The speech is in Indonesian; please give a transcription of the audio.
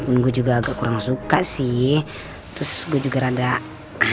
itu fungsinya kamu untuk selalu mengingatkan aku